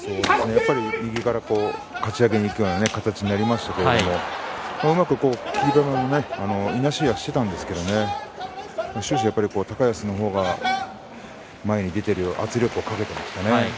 やっぱり右からかち上げにいくような形になりましたけれどもうまく霧馬山はいなしたりしていたんですが終始、高安の方が前に出て圧力をかけていましたね。